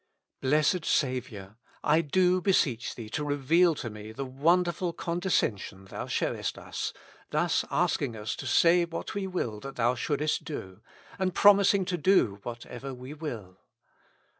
Blessed Saviour ! I do beseech Thee to reveal to me the wonderful condescension Thou showest us, thus asking us to say what we will that Thou shouldest do, and promising to do whatever we will.